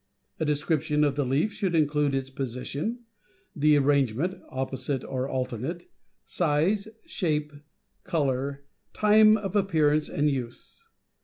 A description of the leaf should include its position, the arrangement (opposite or alternate), size, shape, color, time of appearance and use.